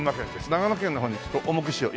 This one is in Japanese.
長野県の方にちょっと重くしよう